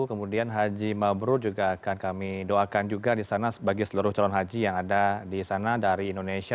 kemudian haji mabru juga akan kami doakan juga di sana bagi seluruh calon haji yang ada di sana dari indonesia